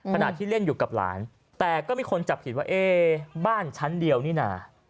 ขณะที่เล่นอยู่กับหลานแต่ก็มีคนจับผิดว่าเอ๊บ้านชั้นเดียวนี่น่ะ